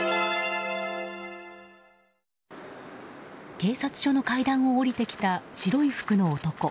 警察署の階段を下りてきた白い服の男。